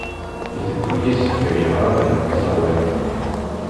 Iteddu yis-s gar yiɣṛaben n tzeɣwa-nni.